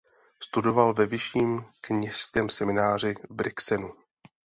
Studoval ve vyšším kněžském semináři v Brixenu.